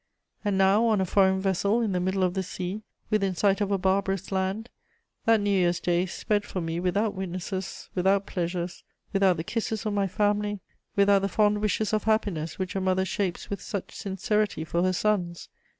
And now, on a foreign vessel, in the middle of the sea, within sight of a barbarous land, that New Year's Day sped for me without witnesses, without pleasures, without the kisses of my family, without the fond wishes of happiness which a mother shapes with such sincerity for her sons!